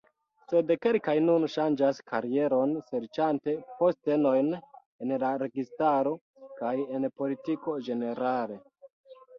Sed kelkaj nun ŝanĝas karieron serĉante postenojn en la registaro kaj en politiko ĝenerale.